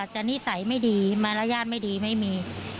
จะนิสัยไม่ดีบรรยายักษณ์ไม่ดีไม่มี